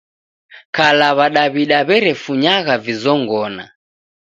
Kala w'adaw'da w'erefunyagha vizongona.